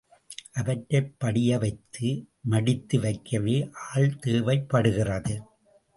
அவற்றைப் படியவைத்து மடித்து வைக்கவே ஆள் தேவைப்படுகிறது.